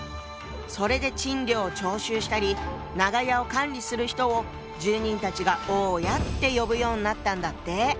それで賃料を徴収したり長屋を管理する人を住人たちが「大家」って呼ぶようになったんだって。